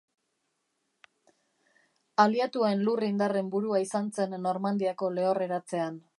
Aliatuen lur-indarren burua izan zen Normandiako Lehorreratzean.